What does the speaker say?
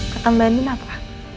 ketembaan andin apa